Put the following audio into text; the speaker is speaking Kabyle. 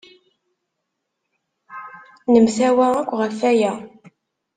Nemtawa akk ɣef waya.